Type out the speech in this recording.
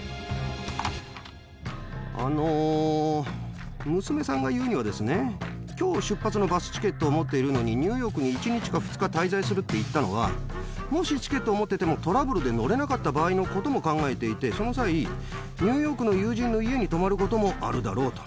あのー、娘さんが言うにはですね、きょう出発のバスチケットを持っているのに、ニューヨークに１日か２日滞在するって言ったのは、もしチケットを持ってても、トラブルで乗れなかった場合のことも考えていて、その際、ニューヨークの友人の家に泊まることもあるだろうと。